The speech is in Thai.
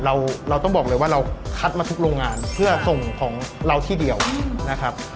เราเราต้องบอกเลยว่าเราคัดมาทุกโรงงานเพื่อส่งของเราที่เดียวนะครับ